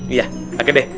iya oke deh